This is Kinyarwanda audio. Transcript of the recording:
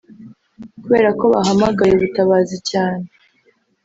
Kubera ko bahamagaye ubutabazi cyane